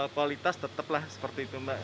kualitas tetap lah seperti itu mbak